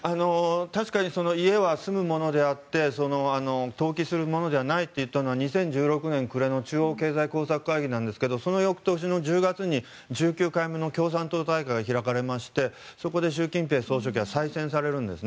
確かに、家は住むものであって投機するものじゃないといったのは２０１６年暮れの中央経済工作会議なんですがその翌年の１７年に１９回目の共産党大会が開かれましてそこで習近平総書記は再選されるんです。